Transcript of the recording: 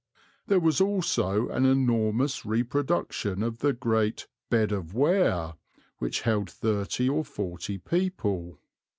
There was also an enormous reproduction of the great 'bed of Ware,' which held thirty or forty people.